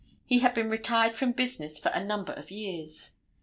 He had been retired from business for a number of years.